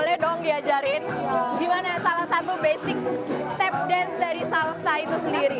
boleh dong diajarin gimana salah satu basic tap dance dari salsa itu sendiri